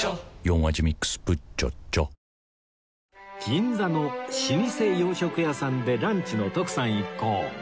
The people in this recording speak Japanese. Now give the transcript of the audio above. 銀座の老舗洋食屋さんでランチの徳さん一行